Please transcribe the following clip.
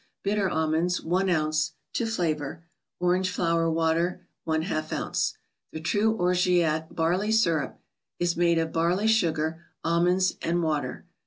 Bitter Almonds, 1 oz. (to flavor); Orange flower Water, Yz OZ. ; true Orgeat (barley syrup), is made of barley sugar, almonds and water.